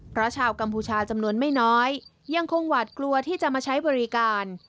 เพราะชาวกัมพูชาจำนวนไม่น้อยยังคงหวาดกลัวที่จะมาใช้บริการ